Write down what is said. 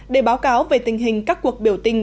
để báo cáo về tình hình các cuộc biểu tình